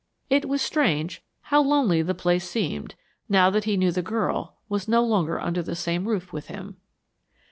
It was strange how lonely the place seemed, 'now that he knew the girl was no longer under the same roof with him.